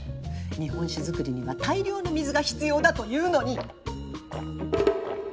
日本酒造りには大量の水が必要だというのに。